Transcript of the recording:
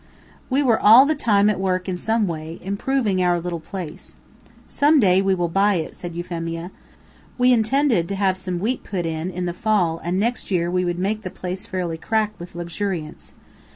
We were all the time at work in some way, improving our little place. "Some day we will buy it," said Euphemia. We intended to have some wheat put in in the fall and next year we would make the place fairly crack with luxuriance.